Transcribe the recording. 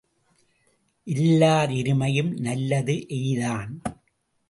இல்லார் இருமையும் நல்லது எய்தான்.